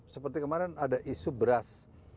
seperti kemarin ada isu beras